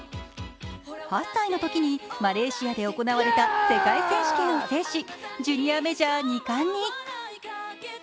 ８歳のときにマレーシアで行われた世界選手権を制し、ジュニアメジャー２冠に。